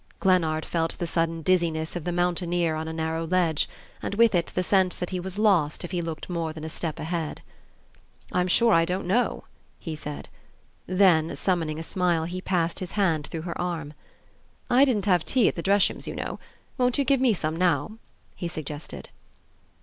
Glennard felt the sudden dizziness of the mountaineer on a narrow ledge, and with it the sense that he was lost if he looked more than a step ahead. "I'm sure I don't know," he said; then, summoning a smile, he passed his hand through her arm. "I didn't have tea at the Dreshams, you know; won't you give me some now?" he suggested.